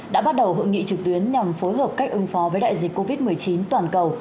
đã bắt đầu hội nghị trực tuyến nhằm phối hợp cách ứng phó với đại dịch covid một mươi chín toàn cầu